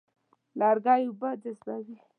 لرګی اوبه جذبوي.